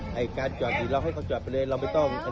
ไม่ถามให้โบราณจัดการหรือเปล่า